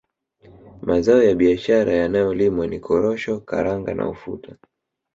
Mazao ya biashara yanayolimwa ni Korosho Karanga na Ufuta